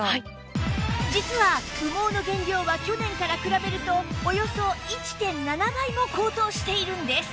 実は羽毛の原料は去年から比べるとおよそ １．７ 倍も高騰しているんです